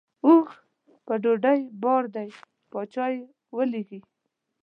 اوښ په ډوډۍ بار دی باچا یې ورلېږي.